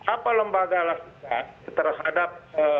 apa lembaga laksananya terhadap